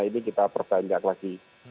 ini kita pertanjakan lagi